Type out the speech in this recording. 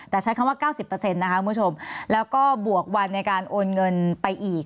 แต่ใช้คำว่า๙๐นะคะคุณผู้ชมแล้วก็บวกวันในการโอนเงินไปอีก